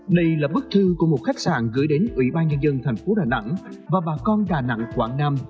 đây là bức thư của một khách sạn gửi đến ủy ban nhân dân thành phố đà nẵng và bà con đà nẵng quảng nam